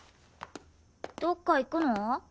どっか行くの？